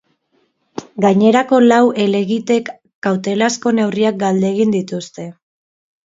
Gainerako lau helegitek kautelazko neurriak galdegin dituzte.